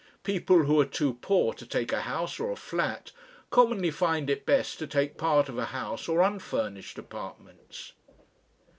People who are too poor to take a house or a flat commonly find it best to take part of a house or unfurnished apartments.